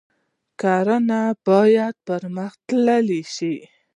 کرنه باید پرمختللې شي